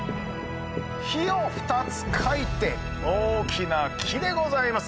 「火」を２つ書いて大きな木でございます。